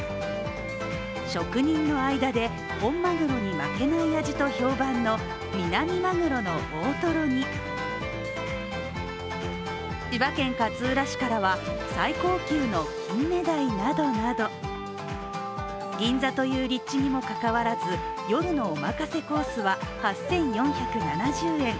職人の間で本マグロに負けない味と評判のミナミマグロの大トロに千葉県勝浦市からは最高級のキンメダイなどなど銀座という立地にもかかわらず夜のおまかせコースは８４７０円。